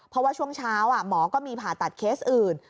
เพราะว่าช่วงเช้าหมอก็มีผ่าตัดเคสอื่น